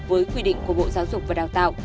với quy định của bộ giáo dục và đào tạo